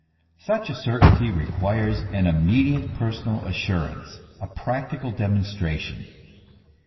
Such a certainty requires an im mediate personal assurance, a practical demonstration.